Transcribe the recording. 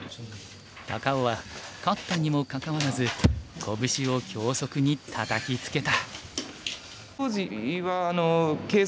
高尾は勝ったにもかかわらずこぶしを脇息にたたきつけた。